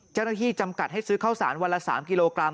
เจ้าหน้าที่จำกัดให้ซื้อข้าวสารวันละ๓กิโลกรัม